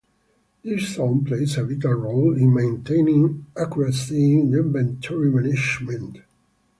This zone plays a vital role in maintaining accuracy in inventory management.